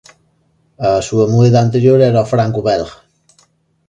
A súa moeda anterior era o franco belga.